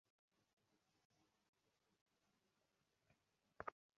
আল্লাহপাক যাকে যা দেন তাই নিয়াই সন্তুষ্ট থাকতে হয়।